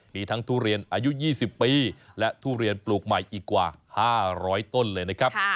มีทั้งทุเรียนอายุ๒๐ปีและทุเรียนปลูกใหม่อีกกว่า๕๐๐ต้นเลยนะครับ